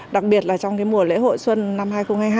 đặc biệt là trong mùa lễ hội xuân năm hai nghìn hai mươi hai